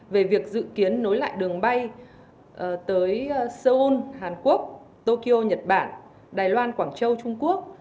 về việc dự kiến nối lại đường bay tới seoul hàn quốc tokyo nhật bản đài loan quảng châu trung quốc